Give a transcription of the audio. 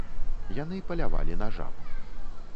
Яны палявалі на жаб.